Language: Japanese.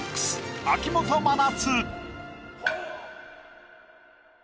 秋元真夏。